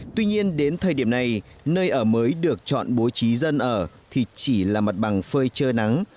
tuy nhiên đến thời điểm này nơi ở mới được chọn bố trí dân ở thì chỉ là mặt bằng phơi trơ nắng